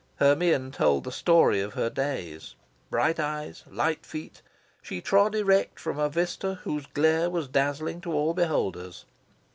Her mien told the story of her days. Bright eyes, light feet she trod erect from a vista whose glare was dazzling to all beholders.